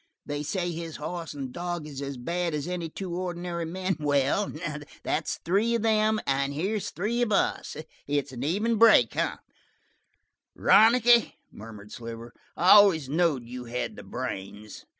They say his hoss and his dog is as bad as any two ordinary men. Well, that's three of them and here's three of us. It's an even break, eh?" "Ronicky," murmured Sliver, "I always knowed you had the brains.